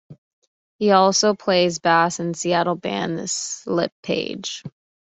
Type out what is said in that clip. He also plays bass in Seattle band, Slippage.